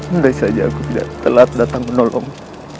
andai saja aku tidak telat datang menolongmu